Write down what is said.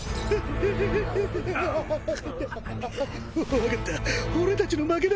分かった俺たちの負けだ。